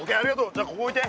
じゃあここおいて。